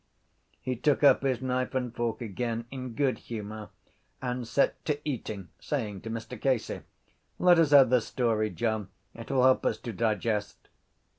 He took up his knife and fork again in good humour and set to eating, saying to Mr Casey: —Let us have the story, John. It will help us to digest.